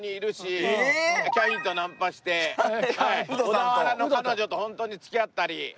小田原の彼女とホントに付き合ったり。